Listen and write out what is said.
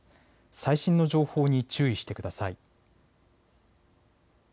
最新の情報に注意してください。